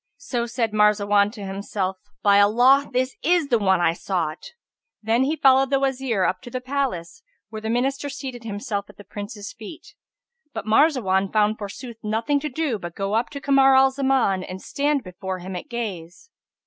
So said Marzawan to himself, "By Allah; this is the one I sought!" Then he followed the Wazir up to the palace, where the Minister seated himself at the Prince's feet; but Marzawan found forsooth nothing to do but go up to Kamar al Zaman and stand before him at gaze.